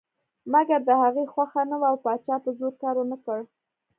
مګر د هغې خوښه نه وه او پاچا په زور کار ونه کړ.